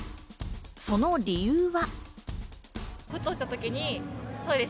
その理由は？